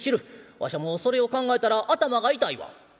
わしゃもうそれを考えたら頭が痛いわ」。